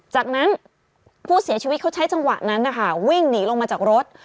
จากนั้นผู้เสียชีวิตเขาใช้จังหวะนั้นนะคะวิ่งหนีลงมาจากรถ